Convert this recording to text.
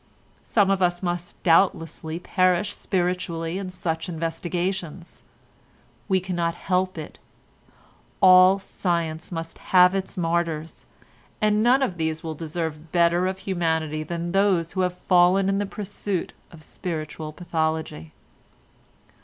Some of us must doubtlessly perish spiritually in such investigations. We cannot help it; all science must have its martyrs, and none of these will deserve better of humanity than those who have fallen in the pursuit of spiritual pathology."